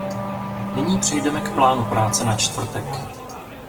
Nyní přejdeme k plánu práce na čtvrtek.